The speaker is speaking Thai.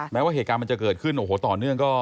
แม้ว่าเหตุการณ์มันจะเกิดขึ้นโอ้โหต่อเนื่องก็